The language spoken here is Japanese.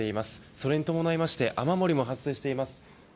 それに伴いまして雨漏りも発生しています。